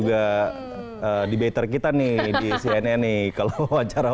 apa itu ini adalah